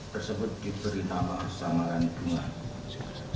tersebut diberi nama sama dengan penggugat